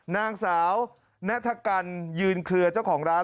นางสาวนัฐกันยืนเคลือเจ้าของร้าน